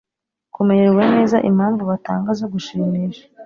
kumererwa neza Impamvu batanga zo gushimisha